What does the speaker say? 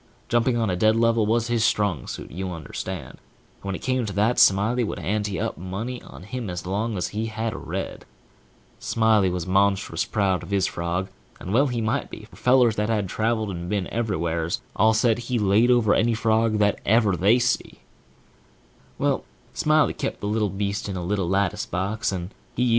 Jumping on a dead level was his strong suit, you understand; and when it come to that, Smiley would ante up money on him as long as he had a red. Smiley was monstrous proud of his frog, and well he might be, for fellers that had traveled and been everywheres, all said he laid over any frog that ever they see.